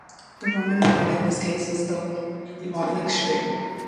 The Roman road in this case is the Watling Street.